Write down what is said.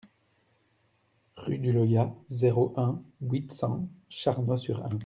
Rue du Loyat, zéro un, huit cents Charnoz-sur-Ain